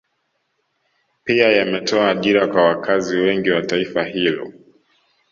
Pia yametoa ajira kwa wakazi wengi wa taifa hilo